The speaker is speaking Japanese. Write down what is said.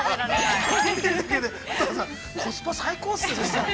コスパ最高っすね。